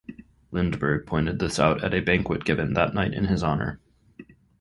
Lindbergh pointed this out at a banquet given that night in his honor.